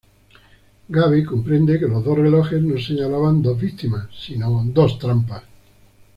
Gabe comprende que los dos relojes no señalaban dos víctimas, sino dos trampas.